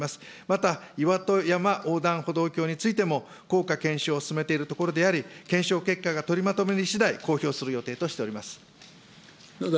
また、いわとやま横断歩道橋についても、効果検証を進めているところであり、検証結果が取りまとまりしだい、公表する予定としております。